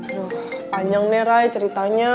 aduh panjang nih rai ceritanya